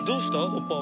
ホッパー！